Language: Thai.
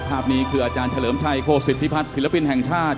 อาจารย์เฉลิมชัยโฆษฎภิพัทรศิลปินแห่งชาติ